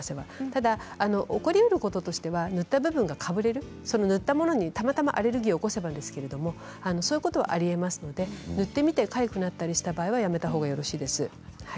ただ起こりうることとしては塗った部分がかぶれる塗ったものにたまたまアレルギーを起こしたということはありえますので塗ってみて悪くなったりした場合はやめたほうがよろしいです。